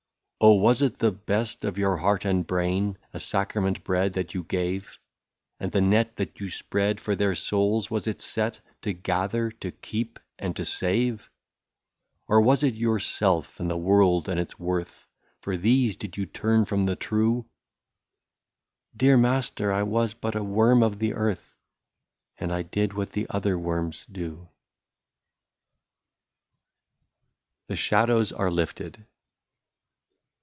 " Oh ! was it the best of your heart and brain, — A sacrament bread that you gave ; And the net that you spread for their souls — was it set To gather, to keep, and to save ;Or was it yourself, and the world, and its worth— For these did you turn from the true ?'*—" Dear master, I was but a worm of the earth, And I did what the other worms do." 95 THE SHADOWS ARE LIFTED.